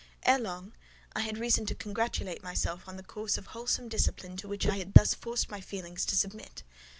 Ere long, I had reason to congratulate myself on the course of wholesome discipline to which I had thus forced my feelings to submit.